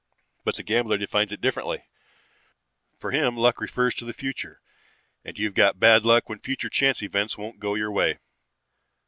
But the gambler defines it differently. For him, luck refers to the future, and you've got bad luck when future chance events won't go your way.